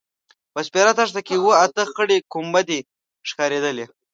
په سپېره دښته کې اوه – اته خړې کومبدې ښکارېدلې.